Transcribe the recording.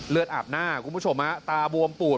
เลือดอาบหน้าครับคุณผู้ชมตาบวมปูด